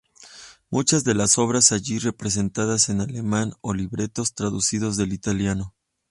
Muchas de las obras allí representadas en alemán o libretos traducidos del italiano.